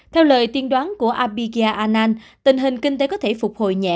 theo lời tiên đoán của abhigya anand tình hình kinh tế có thể phục hồi nhẹ